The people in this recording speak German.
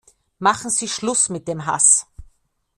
Machen Sie Schluss mit dem Haß!